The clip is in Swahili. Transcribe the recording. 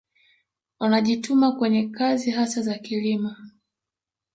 Wanajituma kwenye kazi hasa za kilimo